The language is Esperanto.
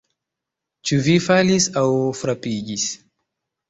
Ĉu vi falis aŭ frapiĝis?